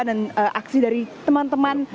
dan aksi dari teman teman